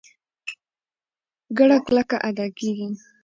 ګړه کلکه ادا کېږي.